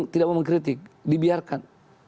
tidak mau mengkritik dibiarkan